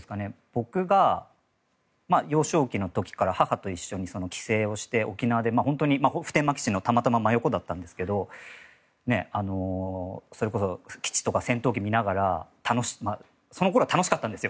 僕が幼少期の時から母と一緒に帰省をして沖縄で普天間基地のたまたま真横だったんですけどそれこそ基地とか戦闘機を見ながらそのころは楽しかったんです。